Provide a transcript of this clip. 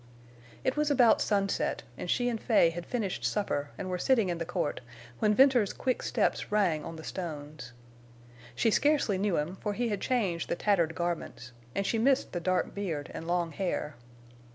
It was about sunset, and she and Fay had finished supper and were sitting in the court, when Venters's quick steps rang on the stones. She scarcely knew him, for he had changed the tattered garments, and she missed the dark beard and long hair.